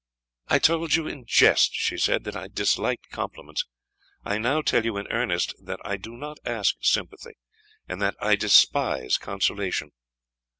"I told you in jest," she said, "that I disliked compliments I now tell you in earnest, that I do not ask sympathy, and that I despise consolation.